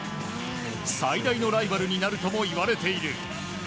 最大のライバルになるともいわれている。